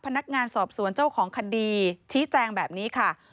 พนักงานสอบสวนเจ้าของคดีชี้แจงแบบนี้ค่ะ